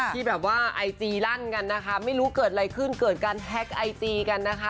ที่แบบว่าไอจีลั่นกันนะคะไม่รู้เกิดอะไรขึ้นเกิดการแฮ็กไอจีกันนะคะ